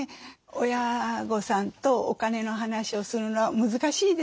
親御さんとお金の話をするのは難しいですね。